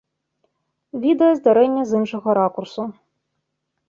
Відэа здарэння з іншага ракурсу.